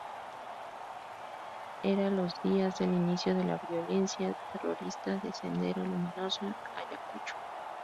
Era los días del inicio de la violencia terrorista de Sendero Luminoso en Ayacucho.